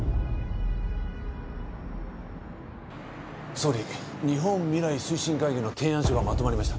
総理日本未来推進会議の提案書がまとまりました